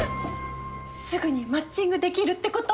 すぐにマッチングできるってこと？